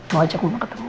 mau ajak mama ketemu